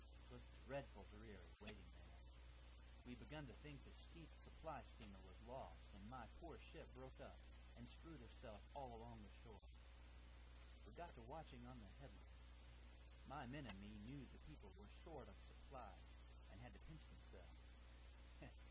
'Twas dreadful dreary waitin' there; we begun to think the supply steamer was lost, and my poor ship broke up and strewed herself all along the shore. We got to watching on the headlands; my men and me knew the people were short of supplies and had to pinch themselves.